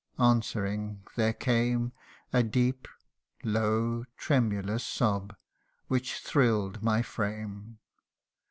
Answering, there came A deep, low, tremulous sob, which thrill'd my frame.